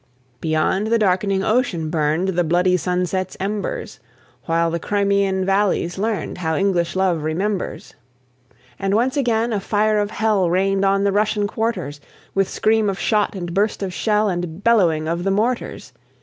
Beyond the darkening ocean burned The bloody sunset's embers, While the Crimean valleys learned How English love remembers. And once again a fire of hell Rained on the Russian quarters, With scream of shot, and burst of shell, And bellowing of the mortars!